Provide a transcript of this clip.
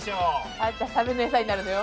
あんたサメの餌になるのよ。